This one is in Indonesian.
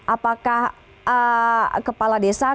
apakah kepala desa